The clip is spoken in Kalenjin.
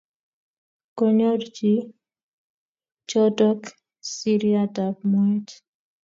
Konyor chi chotok siriat ap moet.